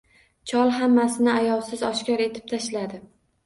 Chol hammasini ayovsiz oshkor etib tashladi